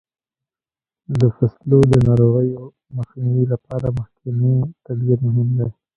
د فصلو د ناروغیو مخنیوي لپاره مخکینی تدبیر مهم دی.